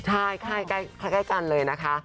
ใช่ใกล้กันเลยนะคะ